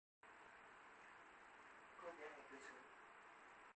Cô bé này tới số